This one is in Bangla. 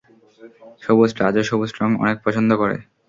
সবুজ, রাজও সবুজ রঙ অনেক পছন্দ করে।